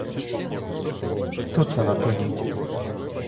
Хто це на коні?